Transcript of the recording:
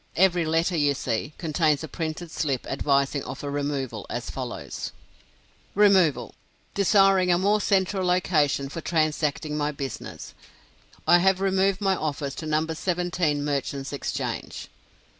Every letter you see, contains a printed slip advising of a removal, as follows: "REMOVAL. Desiring a more central location for transacting my business, I have removed my office to No. 17 Merchants Exchange."